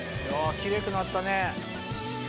奇麗くなったね。